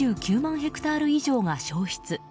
ヘクタール以上が焼失。